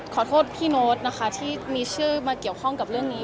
ขอโทษพี่โน๊ตนะคะที่มีชื่อมาเกี่ยวข้องกับเรื่องนี้